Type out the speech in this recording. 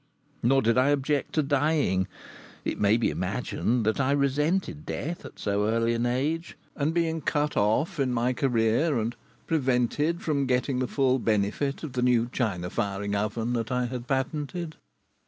Nor did I object to dying. It may be imagined that I resented death at so early an age, and being cut off in my career, and prevented from getting the full benefit of the new china firing oven that I had patented.